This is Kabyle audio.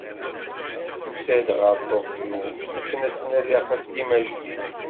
Tusa-d ɣer Tokyo akken ad tnadi axeddim ajdid.